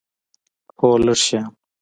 هو، لږ شیان